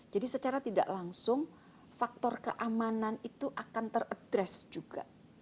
secara tidak langsung faktor keamanan itu akan teradres juga